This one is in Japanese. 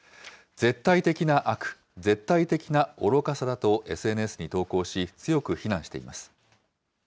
絶対的な悪、絶対的な愚かさだとＳＮＳに投稿し、強く非難しています。